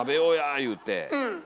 いうて。